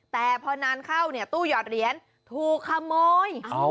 แต่พอนานเข้าเนี่ยตู้หยอดเหรียญถูกขโมย